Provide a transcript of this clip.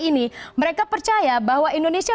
ini mereka percaya bahwa indonesia